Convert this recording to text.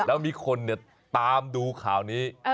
แล้วมีคนตามดูข่าวนี้